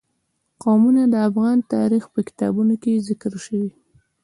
قومونه د افغان تاریخ په کتابونو کې ذکر شوی دي.